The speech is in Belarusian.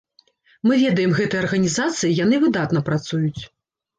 Мы ведаем гэтыя арганізацыі, яны выдатна працуюць.